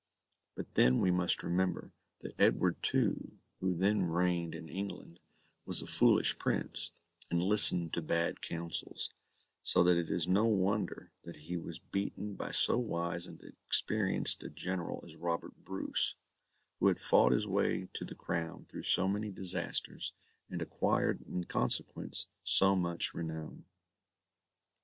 But then we must remember, that Edward II who then reigned in England, was a foolish prince, and listened to bad counsels; so that it is no wonder that he was beaten by so wise and experienced a general as Robert Bruce, who had fought his way to the crown through so many disasters, and acquired in consequence so much renown.